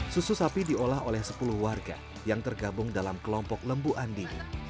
susu sapi diolah oleh sepuluh warga yang tergabung dalam kelompok lembu andi